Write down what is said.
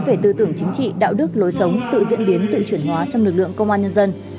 về tư tưởng chính trị đạo đức lối sống tự diễn biến tự chuyển hóa trong lực lượng công an nhân dân